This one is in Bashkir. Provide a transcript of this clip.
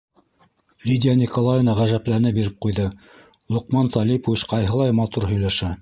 Лидия Николаевна ғәжәпләнә биреп ҡуйҙы: Лоҡман Талипович ҡайһылай матур һөйләшә!